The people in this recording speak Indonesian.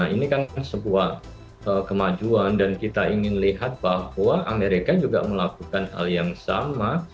ini kan sebuah kemajuan dan kita ingin lihat bahwa amerika juga melakukan hal yang sama